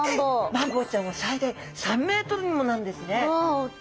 マンボウちゃんは最大３ｍにもなるんですね。